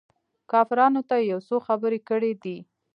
کافرانو ته يې يو څو خبرې کړي دي.